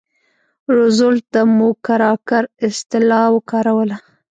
روزولټ د موکراکر اصطلاح وکاروله.